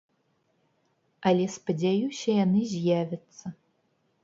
Але, спадзяюся, яны з'явяцца.